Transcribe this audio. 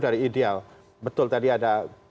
dari ideal betul tadi ada